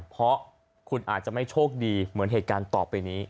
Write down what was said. เพราะคุณอาจจะไม่โชคดีเหมือนเหตุการณ์ต่อไปนี้